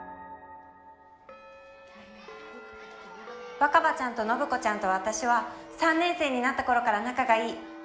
若葉ちゃんと信子ちゃんと私は３年生になった頃から仲が良い。